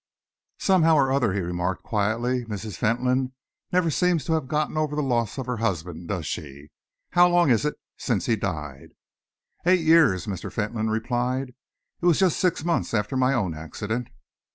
"Somehow or other," he remarked quietly, "Mrs. Fentolin never seems to have got over the loss of her husband, does she? How long is it since he died?" "Eight years," Mr. Fentolin replied. "It was just six months after my own accident."